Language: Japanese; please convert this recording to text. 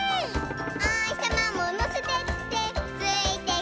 「おひさまものせてってついてくるよ」